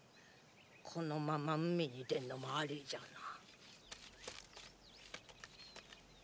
このまま海に出るのもありじゃな。